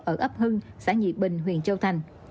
ở ấp hưng xã nhị bình huyện châu thành